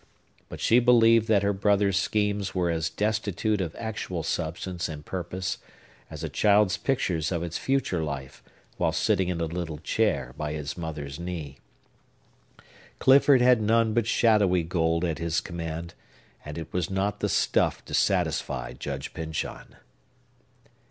But she believed that her brother's schemes were as destitute of actual substance and purpose as a child's pictures of its future life, while sitting in a little chair by its mother's knee. Clifford had none but shadowy gold at his command; and it was not the stuff to satisfy Judge Pyncheon!